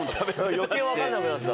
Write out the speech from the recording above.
余計分かんなくなった。